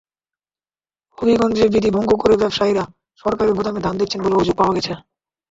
হবিগঞ্জে বিধি ভঙ্গ করে ব্যবসায়ীরা সরকারি গুদামে ধান দিচ্ছেন বলে অভিযোগ পাওয়া গেছে।